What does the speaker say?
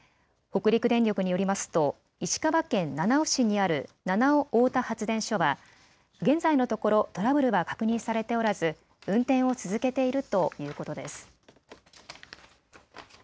北陸電力によりますと石川県七尾市にある七尾大田発電所は現在のところトラブルは確認されておらず運転を続けているということです。